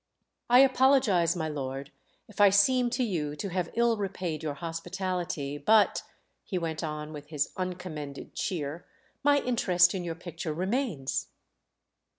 "I apologise, my lord, if I seem to you to have ill repaid your hospitality. But," he went on with his uncommended cheer, "my interest in your picture remains."